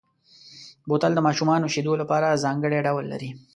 بوتل د ماشومو شیدو لپاره ځانګړی ډول لري.